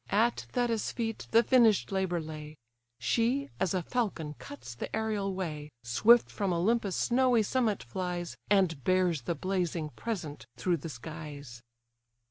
At Thetis' feet the finished labour lay: She, as a falcon cuts the aerial way, Swift from Olympus' snowy summit flies, And bears the blazing present through the skies.